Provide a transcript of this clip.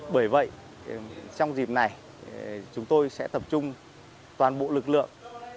bởi vậy trong dịp này chúng tôi sẽ tập trung toàn bộ lực lượng